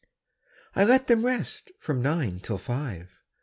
I let them rest from nine till five.